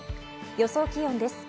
予想気温です。